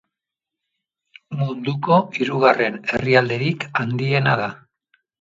Munduko hirugarren herrialderik handiena da.